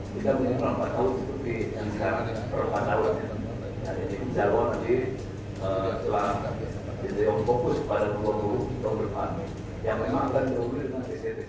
ketua umum pssi muhammad iryawan menilai sejak dilatih oleh sinteyong performa timnas indonesia sinteyong